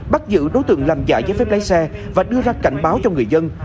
bắt giữ đối tượng làm giả giấy phép lái xe và đưa ra cảnh báo cho người dân